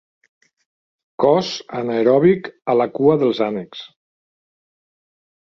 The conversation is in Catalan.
Cos anaeròbic a la cua dels ànecs.